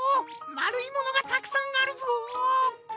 まるいものがたくさんあるぞっ！